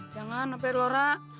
jangan apa apa lora